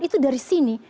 itu dari sini